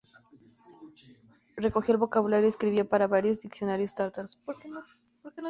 Recogió el vocabulario y escribió para varios diccionarios tártaros.